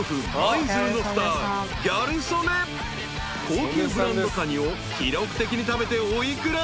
［高級ブランドかにを記録的に食べてお幾ら？］